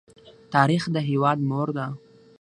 تاریخ د هېواد مور ده.